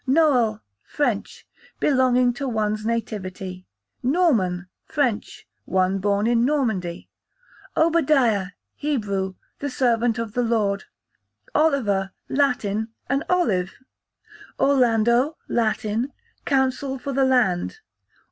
Noel, French, belonging to one's nativity. Norman, French, one born in Normandy. Obadiah, Hebrew, the servant of the Lord. Oliver, Latin, an olive. Orlando, Italian, counsel for the land.